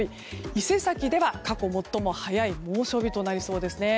伊勢崎では、過去最も早い猛暑日となりそうですね。